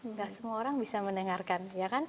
enggak semua orang bisa mendengarkan